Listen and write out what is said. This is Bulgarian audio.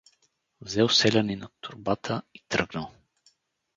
Взел селянинът торбата и тръгнал.